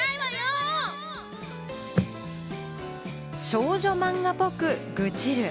『少女漫画ぽく愚痴る。』